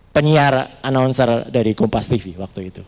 penyiar announcer dari kompas tv waktu itu